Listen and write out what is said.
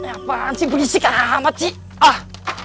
apaan sih berisik amat sih